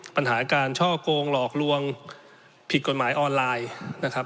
ปัญหาการช่อกงหลอกลวงผิดกฎหมายออนไลน์นะครับ